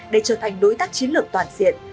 để trở thành đối tác chiến lược toàn diện